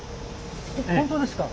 本当ですか？